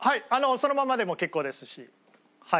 そのままでも結構ですしはい。